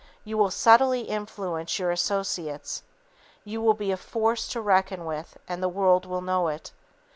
You will subtly influence your associates. You will be a force to reckon with, and the world will know it.